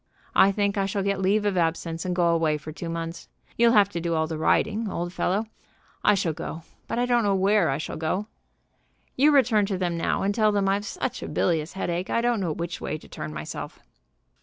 I think I shall get leave of absence and go away for two months. You'll have to do all the riding, old fellow. I shall go, but I don't know where I shall go. You return to them now, and tell them I've such a bilious headache I don't know which way to turn myself."